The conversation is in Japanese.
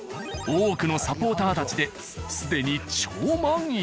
多くのサポーターたちで既に超満員。